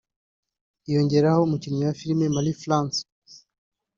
Hiyongeraho umukinnyi wa filimi Marie France